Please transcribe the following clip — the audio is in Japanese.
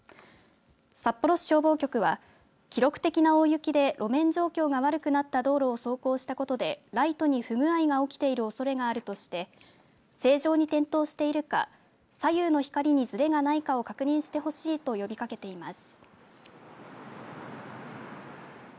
札幌市消防局は、記録的な大雪で路面状況が悪くなった道路を走行したことでライトに不具合が起きているおそれがあるとして正常に点灯しているか左右の光にズレがないかを確認してほしいと呼びかけています。